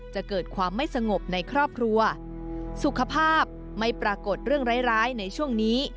จะเกิดความไม่สงบในครอบครัวสุขภาพไม่ปรากฏเรื่องร้ายร้ายในช่วงนี้